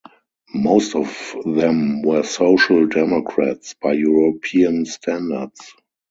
Most of them were social democrats by European standards.